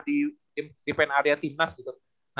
di pen area timnas gitu